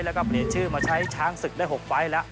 แล้วก็เปลี่ยนชื่อมาใช้ช้างศึกได้๖ไฟล์แล้ว